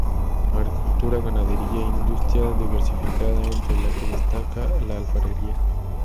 Agricultura, ganadería e industria diversificada, entre la que destaca la alfarería.